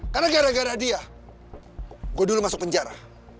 karena gara gara dia gue dulu masuk penjara